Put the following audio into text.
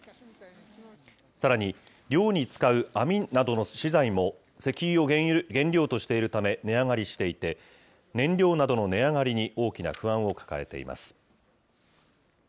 さらに、漁に使う網などの資材も、石油を原料としているため値上がりしていて燃料などの値上がりに大きな不安を抱えています。